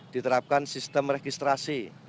diterapkan sistem registrasi